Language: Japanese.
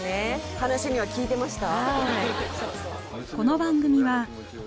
話には聞いてました？